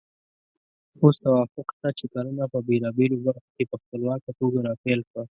اوس توافق شته چې کرنه په بېلابېلو برخو کې په خپلواکه توګه راپیل شوه.